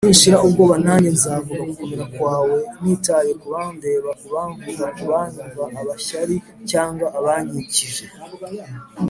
ni nshira ubwoba Nanjye nzavuga gukomera kwawe nitaye kubandeba ,kubamvuga ,kubanyumva, abashyari cyangwa abanyikije